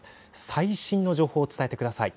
最新の情報を伝えてください。